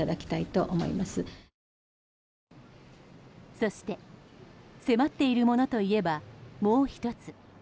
そして迫っているものといえばもう１つ。